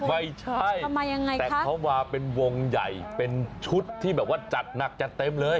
ไม่ใช่แต่เขามาเป็นวงใหญ่เป็นชุดที่แบบว่าจัดหนักจัดเต็มเลย